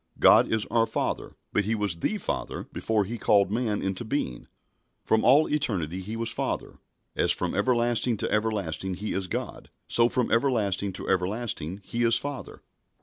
God is our Father, but He was "the Father" before He called man into being. From all eternity He was Father. As from everlasting to everlasting He is God, so from everlasting to everlasting He is Father.